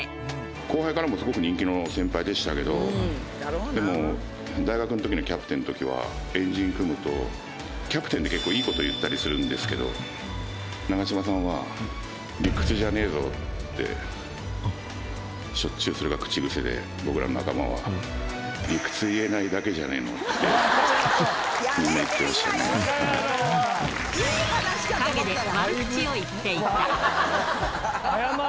後輩からもすごく人気の先輩でしたけど、でも大学のときのキャプテンのときは円陣組むと、キャプテンって結構、いいこと言ったりするんですけど、長嶋さんは理屈じゃねえぞって、しょっちゅうそれが口癖で、僕らの仲間は理屈を言えないだけじゃないの？ってみんな言ってま陰で悪口を言っていた。